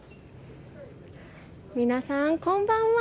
皆さん、こんばんは。